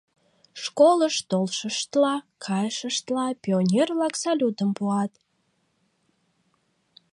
Школыш толшыштла, кайышыштла, пионер-влак салютым пуат.